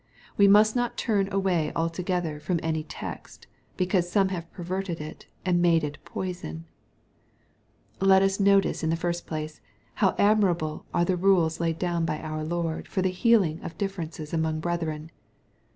We must not turn away altogether from any text^ because some have perverted it, and made it poison. Let us notice in the first place^ how adminxble are the rules laid down by our Lord, for the healing of differ^ ences among brethren.